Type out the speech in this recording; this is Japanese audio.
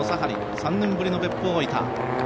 ３年ぶりの別府大分。